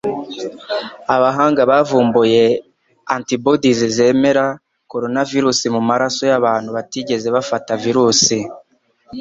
Abahanga bavumbuye antibodies zemera koronavirusi mu maraso yabantu batigeze bafata virusi.